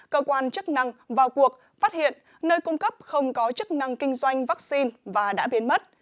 cơ quan chức năng vào cuộc phát hiện nơi cung cấp không có chức năng kinh doanh vaccine và đã biến mất